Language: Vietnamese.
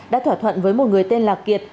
đã thỏa thuận với một người tên lạc kiệt